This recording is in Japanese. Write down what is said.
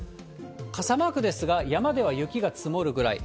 傘マークですが、山では雪が積もるぐらい。